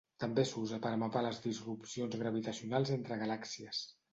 També s'usa per a mapar les disrupcions gravitacionals entre galàxies.